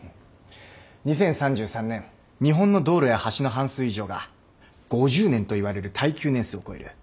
２０３３年日本の道路や橋の半数以上が５０年といわれる耐久年数を超える。